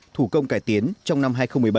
thủ công cải tiến trong năm hai nghìn một mươi bảy